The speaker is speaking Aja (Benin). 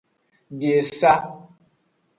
Di esa.